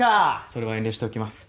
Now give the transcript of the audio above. それは遠慮しときます。